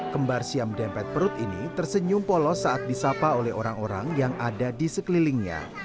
kembar siam dempet perut ini tersenyum polos saat disapa oleh orang orang yang ada di sekelilingnya